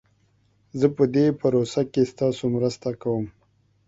زه په دي پروژه کښي ستاسو مرسته کووم